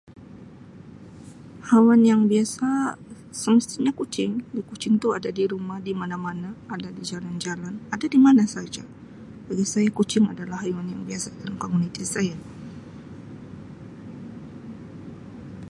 Haiwan yang biasa semestinya kucing. Kucing tu ada di rumah, di mana-mana ada di rumah, ada di jalan-jalan, ada di mana saja. Bagi saya kucing adalah haiwan yang biasa ada dalam komuniti saya.